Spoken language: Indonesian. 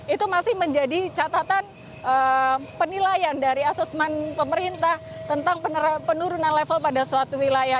itu masih menjadi catatan penilaian dari asesmen pemerintah tentang penurunan level pada suatu wilayah